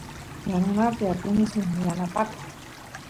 yanunapi apini suk yanapakoq